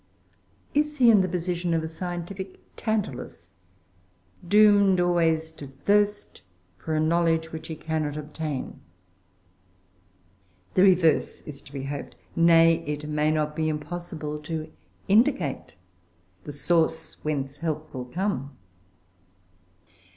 Is he in the position of a scientific Tantalus doomed always to thirst for a knowledge which he cannot obtain? The reverse is to be hoped; nay, it may not be impossible to indicate the source whence help will come.